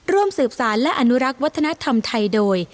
ร่วมสืบสารและอนุรักษ์วัฒนธรรมไทยโดย